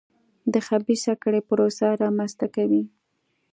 د خبیثه کړۍ پروسه رامنځته کوي.